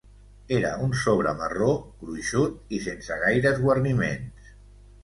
Era un sobre marró, gruixut i sense gaires guarniments.